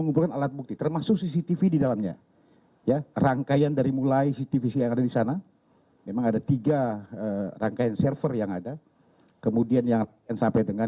untuk dalam semuanya